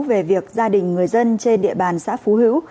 về việc gia đình người dân trên địa bàn xã phú hữu